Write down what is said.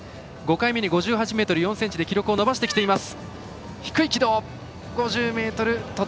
５回目に５８ｍ４０ｃｍで記録を伸ばしています。